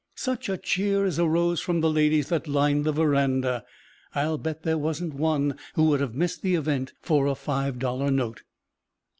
Such a cheer as arose from the ladies that lined the veranda! I'll bet there wasn't one who would have missed the event for a five dollar note.